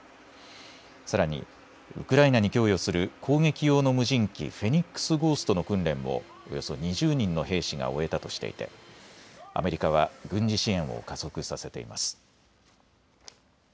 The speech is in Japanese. さらにウクライナに供与する攻撃用の無人機フェニックスゴーストの訓練もおよそ２０人の兵士が終えたとしていてアメリカは軍事支援を加速させています。